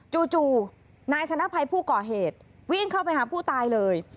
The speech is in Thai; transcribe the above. จู่นายชนะภัยผู้ก่อเหตุวิ่งเข้าไปหาผู้ตายเลย